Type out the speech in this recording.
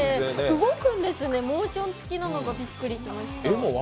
動くんですね、モーション付きなのがびっくりしました。